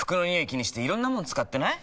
気にしていろんなもの使ってない？